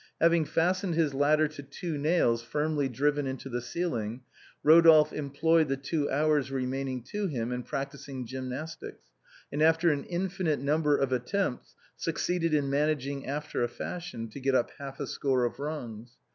Having fastened his ladder to two nails firmly driven into the ceiling, Rodolphe employed the two hours remaining to him in practicing gymnastics, and after an infinite number of attempts, succeeded in managing after a fashion to get up half a score of rungs.